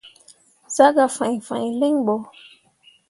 Zah gah fãi fãi linɓo.